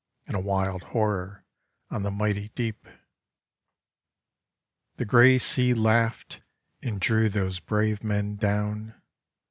And a wild horror on the mighty deep. The grey Sea laughed — and drew those brave men down.